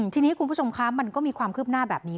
ทีนี้คุณผู้ชมคะมันก็มีความคืบหน้าแบบนี้